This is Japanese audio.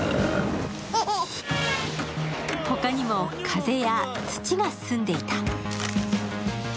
他にも風や土が住んでいた。